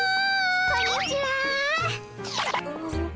こんにちは。